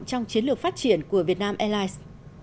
trong chiến lược phát triển của việt nam airlines